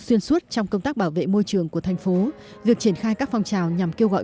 xuyên suốt trong công tác bảo vệ môi trường của thành phố việc triển khai các phong trào nhằm kêu gọi